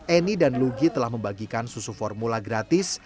eni dan lugi telah membagikan susu formula gratis